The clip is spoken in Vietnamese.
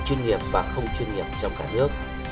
chuyên nghiệp và không chuyên nghiệp trong cả nước